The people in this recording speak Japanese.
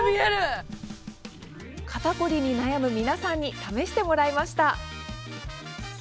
肩凝りに悩む皆さんに試してもらいました。